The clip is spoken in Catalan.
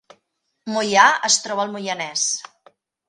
Moià es troba al Moianès